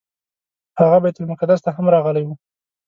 هغه بیت المقدس ته هم راغلی و.